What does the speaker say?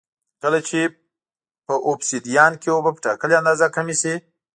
کله چې په اوبسیدیان کې اوبه په ټاکلې اندازه کمې شي